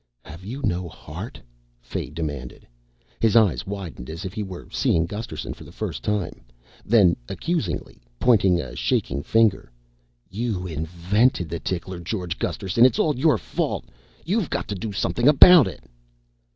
"Have you no heart?" Fay demanded. His eyes widened, as if he were seeing Gusterson for the first time. Then, accusingly, pointing a shaking finger: "_You invented the tickler, George Gusterson! It's all your fault! You've got to do something about it!